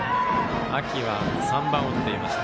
秋は３番を打っていました。